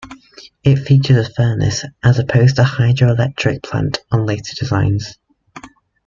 It features a furnace, as opposed to a hydroelectric plant on later designs.